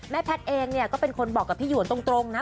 แม่แพทย์เองก็เป็นคนบอกกับพี่หยุนตรงนะ